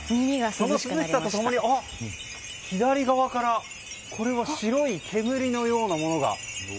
この涼しさと共に左側から白い煙のようなものが。